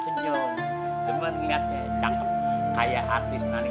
ini baru mantuma yang paling masalah